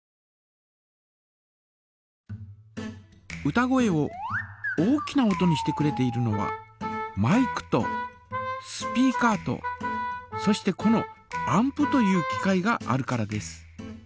歌声を大きな音にしてくれているのはマイクとスピーカーとそしてこのアンプという機械があるからです。